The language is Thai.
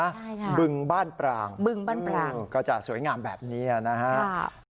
ใช่ค่ะบึงบ้านปรางบึงบ้านปรางก็จะสวยงามแบบนี้นะฮะ